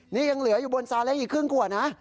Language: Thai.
นี่ยังเหลืออยู่บนซาเล้งอีกครึ่งขวดนะ